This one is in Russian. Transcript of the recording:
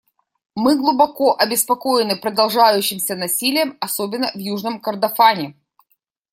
Мы глубоко обеспокоены продолжающимся насилием, особенно в Южном Кордофане.